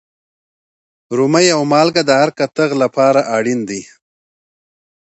رومي او مالگه د هر کتغ لپاره اړین دي.